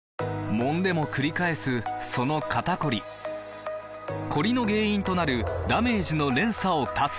もんでもくり返すその肩こりコリの原因となるダメージの連鎖を断つ！